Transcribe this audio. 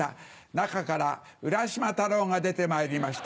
中から浦島太郎が出てまいりました。